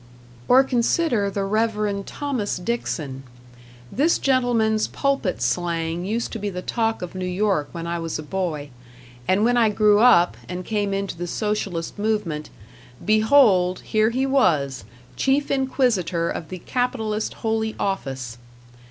Or consider the Reverend Thomas Dixon. This gentleman's pulpit slang used to be the talk of New York when I was a boy; and when I grew up, and came into the Socialist movement behold, here he was, chief inquisitor of the capitalist Holy Office.